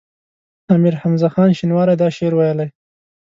امیر حمزه خان شینواری دا شعر ویلی.